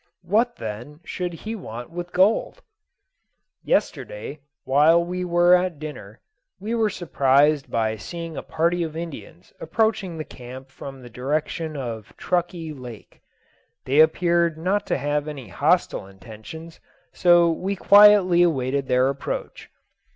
What, then, should he want with gold? Yesterday, while we were at dinner, we were surprised by seeing a party of Indians approaching the camp from the direction of Truckee Lake. They appeared not to have any hostile intentions, so we quietly awaited their approach.